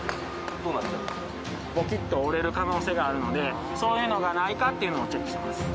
ボキッと折れる可能性があるのでそういうのがないかっていうのをチェックしてます。